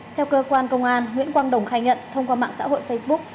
theo cơ quan công an nguyễn quang đồng khai nhận thông qua mạng xã hội facebook